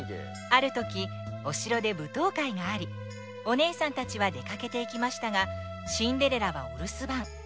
あるときおしろでぶとうかいがありおねえさんたちはでかけていきましたがシンデレラはおるすばん。